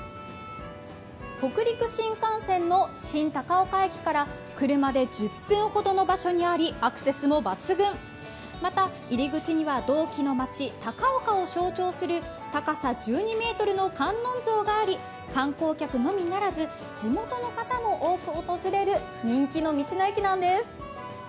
北陸新幹線の新高岡駅から車で１０分ほどの場所にありアクセスも抜群、また入り口には銅器の街・高岡を象徴する高さ１２ｍの観音像があり、観光客のみならず、地元の方も多く訪れる人気の道の駅なんです。